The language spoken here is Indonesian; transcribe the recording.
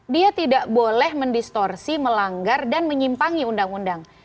dia tidak boleh mendistorsi melanggar dan menyimpangi undang undang